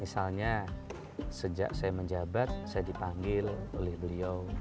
misalnya sejak saya menjabat saya dipanggil oleh beliau